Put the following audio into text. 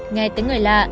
nghe tiếng người là